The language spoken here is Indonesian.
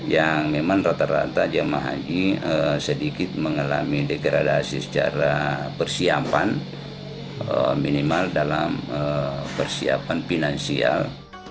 yang memang rata rata jemaah haji sedikit mengalami degradasi secara persiapan minimal dalam persiapan finansial